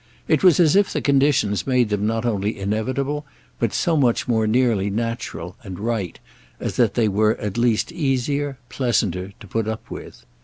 It was as if the conditions made them not only inevitable, but so much more nearly natural and right as that they were at least easier, pleasanter, to put up with.